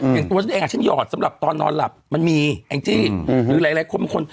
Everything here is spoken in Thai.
อย่างตัวฉันเองฉันหยอดสำหรับตอนนอนหลับมันมีแองจี้หรือหลายคนบางคน